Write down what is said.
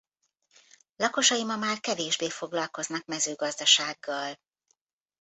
Lakosai ma már kevésbé foglalkoznak mezőgazdasággal.